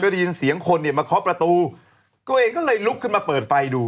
ได้ยินเสียงคนเนี่ยมาเคาะประตูตัวเองก็เลยลุกขึ้นมาเปิดไฟดู